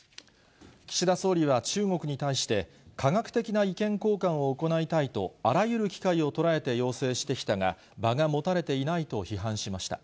岸田総理は中国に対して、科学的な意見交換を行いたいと、あらゆる機会を捉えて要請してきたが、場が持たれていないと批判しました。